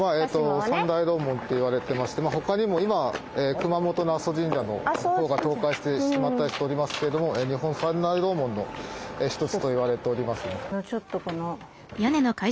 三大楼門と言われてまして他にも今熊本の阿蘇神社のほうが倒壊してしまったりしておりますけども日本三大楼門の一つと言われております。